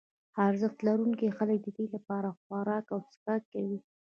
ارزښت لرونکي خلک ددې لپاره خوراک او څښاک کوي.